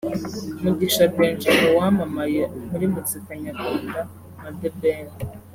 Mugisha Benjamin wamamaye muri muzika nyarwanda nka The Ben